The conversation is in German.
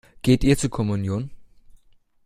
Geht ihr zur Kommunion?